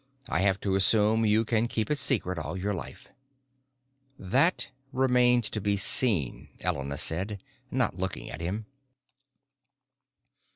I have to assume you can keep it secret all your life." "That remains to be seen," Elena said, not looking at him.